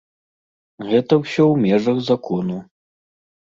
Гэта ўсё ў межах закону.